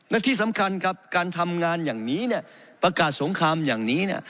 และที่สำคัญครับการทำงานอย่างนี้เนี่ยประกาศสงครามอย่างนี้เนี่ย